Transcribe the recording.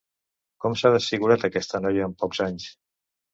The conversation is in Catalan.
Com s'ha desfigurat aquesta noia en pocs anys!